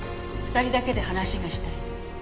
２人だけで話がしたいの。